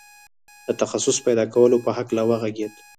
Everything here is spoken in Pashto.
د تخصص پيدا کولو په هکله وغږېد.